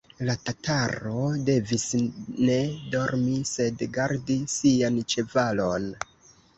La tataro devis ne dormi, sed gardi sian ĉevalon.